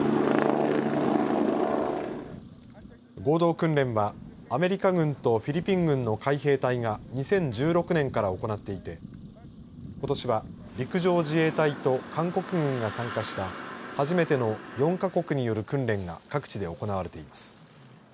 合同訓練はアメリカ軍とフィリピン軍の海兵隊が２０１６年から行っていてことしは陸上自衛隊と韓国軍が参加した初めての４か国による訓練が各地で行われています。